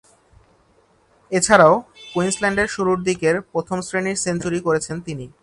এছাড়াও, কুইন্সল্যান্ডের শুরুরদিকের প্রথম-শ্রেণীর সেঞ্চুরি করেছেন তিনি।